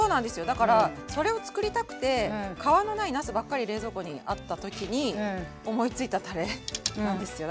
だからそれを作りたくて皮のないなすばっかり冷蔵庫にあった時に思いついたたれなんですよ。